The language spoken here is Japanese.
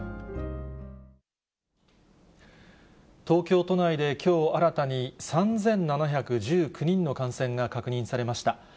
東京都内で、きょう新たに３７１９人の感染が確認されました。